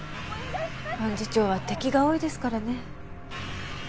幹事長は敵が多いですからね。